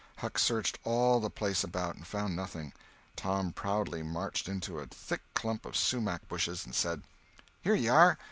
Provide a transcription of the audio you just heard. Huck searched all the place about, and found nothing. Tom proudly marched into a thick clump of sumach bushes and said: "Here you are!